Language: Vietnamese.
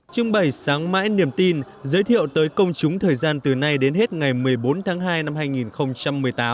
trưng bày sáng mãi niềm tin giới thiệu tới công chúng thời gian từ nay đến hết ngày một mươi bốn tháng hai năm hai nghìn một mươi tám